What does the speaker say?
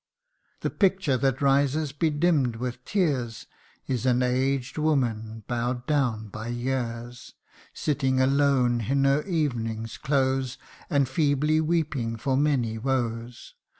The picture that rises bedimm'd with tears, Is an aged woman, bow'd down by years ; Sitting alone in her evening's close, And feebly weeping for many woes.